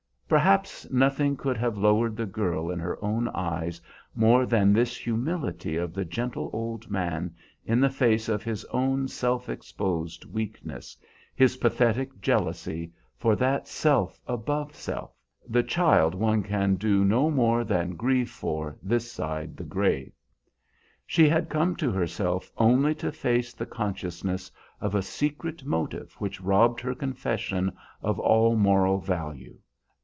Perhaps nothing could have lowered the girl in her own eyes more than this humility of the gentle old man in the face of his own self exposed weakness, his pathetic jealousy for that self above self, the child one can do no more than grieve for this side the grave. She had come to herself only to face the consciousness of a secret motive which robbed her confession of all moral value.